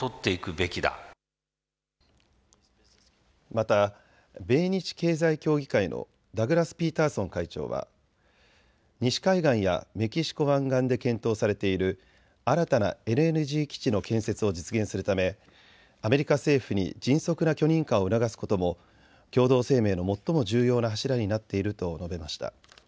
また米日経済協議会のダグラス・ピーターソン会長は西海岸やメキシコ湾岸で検討されている新たなＬＮＧ基地の建設を実現するためアメリカ政府に迅速な許認可を促すことも共同声明の最も重要な柱になっていると述べました。